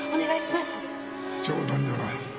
冗談じゃない。